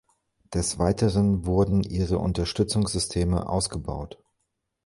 Des Weiteren wurden ihre Unterstützungssysteme ausgebaut.